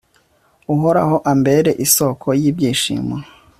uhoraho ambere isoko y'ibyishimo